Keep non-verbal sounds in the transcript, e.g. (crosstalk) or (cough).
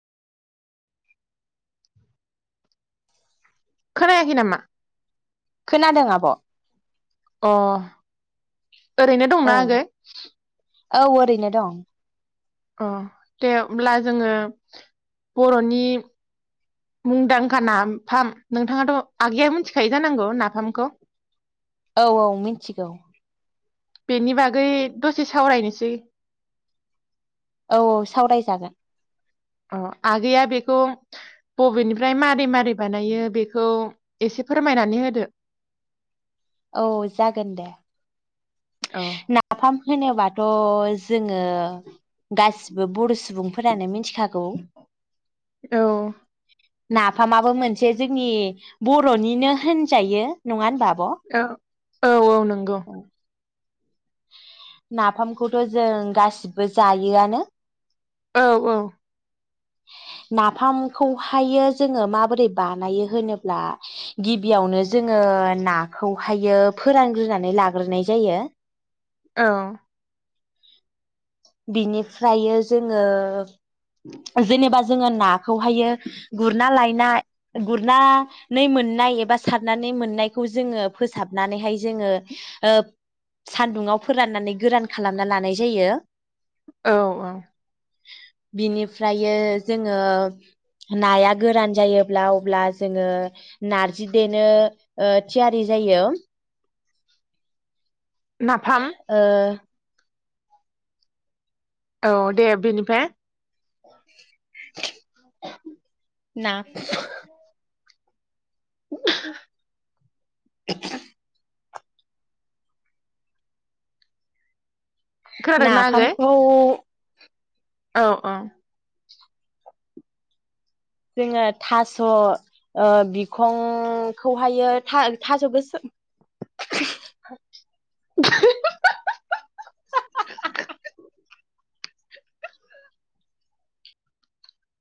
खोनायाखै नामा? खोनादों आब'। अ ओरैनो दंना आगै औ ओरैनो दं अ दे होमब्ला जोंङो बर'नि मुंदांखा नाफाम नोंथाङाथ' आगैया मिथिखायो जानांगौ नाफामखौ। औ औ मिथिगौ। बेनि बागै दसे सावरायनोसै औ औ सावरायजागोन अ आगैया बेखौ बबेनिफ्राय मारै-मारै बानायो बेखौ एसे फोरमायनानै होदो। औ जागोन दे। औ नाफाम होनोबाथ' जों ङो गा (unintelligible) सुबुंफोरानो मिथिखागौ। औ नाफामाबो मोनसे जोंनि बर'निनो होनजायो नङा होनबा। आब' औ औ औ नंगौ नाफामखौथ' जों गासिबो जायोआनो औ औ नाफामखौहायो जोंङो माबोरै बानायो होनोब्ला गिबियावनो जोंङो नाखौहायो फोरानग्रोनानै लाग्रोनाय जायो। औ बिनिफ्राय जोंङो जेनेबा जोंङो नाखौहायो गुरना लायना गुरनानै मोननाय एबा सारनानै मोननायखौ जोंङो फोसाबनानैहाय जोंङो सानदुंआव फोराननानै गोरान खालामना लानाय जायो। औ औ बिनिफ्रायो जोंङो नाया गोरान जायोब्ला अब्ला जोंङो नारजि देनो थियारि जायो। नाफाम ओ औ दे बेनिफाय ना (unintelligible) (unintelligible) खोनादोंना आगै नाफामखौ औ औ जोंङो थास' ओ बिखंखौहायो था-थास' गोसोम (unintelligible) (unintelligible)